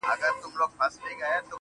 • بدراتلونکی دې مستانه حال کي کړې بدل.